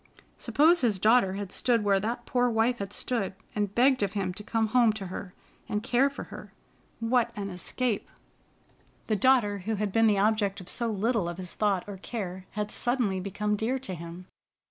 Suppose his daughter had stood where that poor wife had stood, and begged of him to come home to her and care for her! What an escape! The daughter who had been the object of so little of his thought or care had suddenly become dear to him.